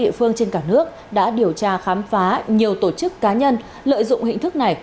địa phương trên cả nước đã điều tra khám phá nhiều tổ chức cá nhân lợi dụng hình thức này